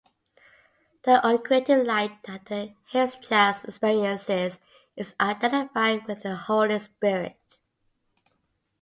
The Uncreated Light that the Hesychast experiences is identified with the Holy Spirit.